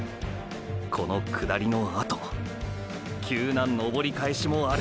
この下りのあと急な登り返しもある。